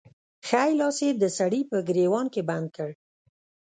ښی لاس يې د سړي په ګرېوان کې بند کړ.